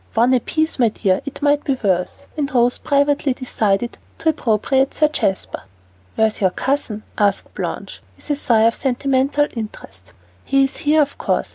"One apiece, my dear, it might be worse." And Rose privately decided to appropriate Sir Jasper. "Where is your cousin?" asked Blanche, with a sigh of sentimental interest. "He is here, of course.